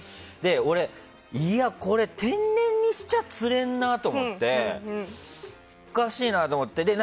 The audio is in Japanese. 俺、これ天然にしては釣れるなと思っておかしいなと思って。